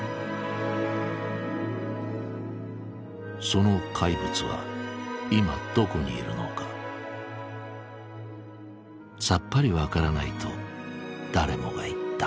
その怪物は今どこにいるのかさっぱり分からないと誰もが言った。